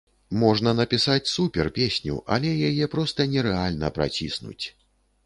Можна напісаць супер-песню, але яе проста нерэальна праціснуць.